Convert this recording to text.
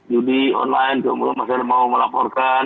judi online semua masyarakat mau melaporkan